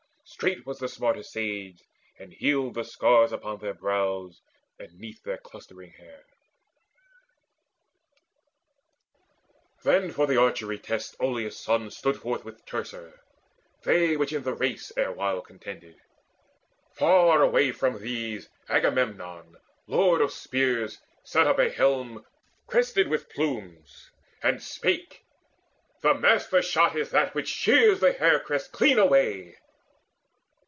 Straight was the smart assuaged, and healed the scars Upon their brows and 'neath their clustering hair Then for the archery test Oileus' son Stood forth with Teucer, they which in the race Erewhile contended. Far away from these Agamemnon, lord of spears, set up a helm Crested with plumes, and spake: "The master shot Is that which shears the hair crest clean away."